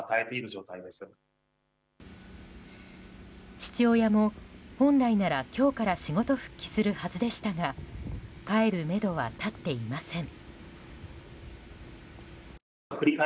父親も、本来なら今日から仕事復帰するはずでしたが帰るめどは立っていません。